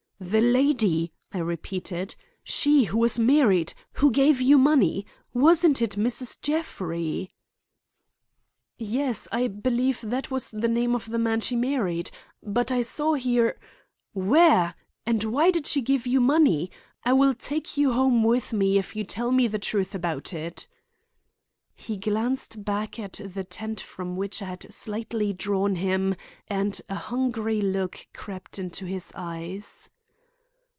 "The lady!" I repeated. "She who was married—who gave you money. Wasn't it Mrs. Jeffrey?" "Yes, I believe that was the name of the man she married. I didn't know him; but I saw her—" "Where? And why did she give you money? I will take you home with me if you tell me the truth about it." He glanced back at the tent from which I had slightly drawn him and a hungry look crept into his eyes.